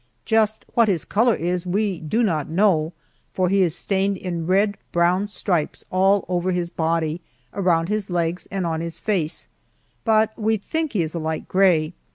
Just what his color is we do not know, for he is stained in red brown stripes all over his body, around his legs, and on his face, but we think he is a light gray.